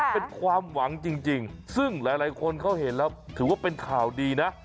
เป็นความหวังจริงซึ่งหลายคนเขาเห็นแล้วถือว่าเป็นข่าวดีนะ